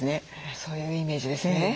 そういうイメージですね。